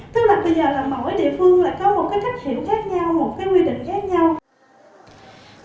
tức là bây giờ là mỗi địa phương lại có một cái cách hiểu khác nhau một cái quy định khác nhau